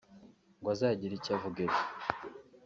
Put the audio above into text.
ngo azagira icyo avuga ejo